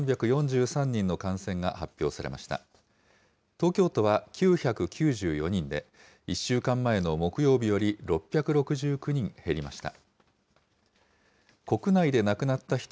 東京都は９９４人で、１週間前の木曜日より６６９人減りました。